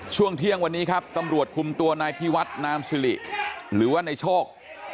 ช่วงเที่ยงวันนี้ครับตำรวจคุมตัวนายพิวัฒนามสิริหรือว่านายโชค